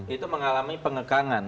itu mengalami pengekangan